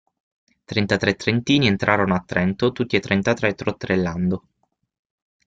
Trentatré trentini entrarono a Trento, tutti e trentatré trotterellando.